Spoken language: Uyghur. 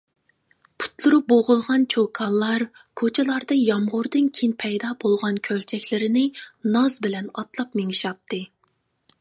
پۇتلىرى بوغۇلغان چوكانلار كوچىلاردا يامغۇردىن كېيىن پەيدا بولغان كۆلچەكلىرىنى ناز بىلەن ئاتلاپ مېڭىشاتتى.